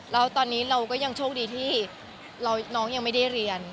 แล้วตอนนี้เราก็ยังโชคดีที่น้องยังไม่ได้เรียน